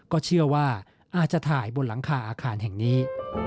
ก็เชื่อว่าอาจจะถ่ายบนหลังคาอาคารแห่งนี้